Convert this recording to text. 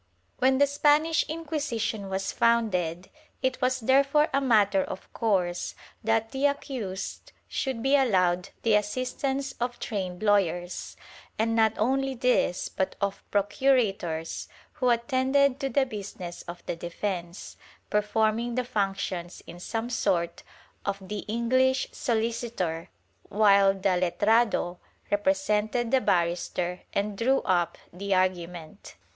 When the Spanish Inquisition was founded, it was therefore a matter of course that the accused should be allowed the assist ance of trained lawyers and not only this but of procurators, who attended to the business of the defence, performing the func tions, in some sort, of the English solicitor, while the letrado represented the barrister and drew up the argument.